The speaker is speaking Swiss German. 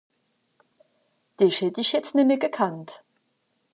Dìch hätt ìch jetzt nemmi gekannt.